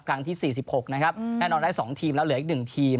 ครั้งที่๔๖แน่นอนแล้ว๒ทีมแล้วเหลืออีก๑ทีม